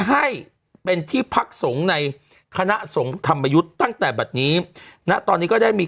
ไหวเป็นที่พักสงในคณะสงธรรมยุทธ์ตั้งแต่แบบนี้นะตอนนี้ก็ได้มี